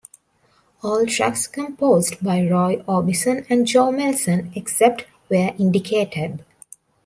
All tracks composed by Roy Orbison and Joe Melson, except where indicated.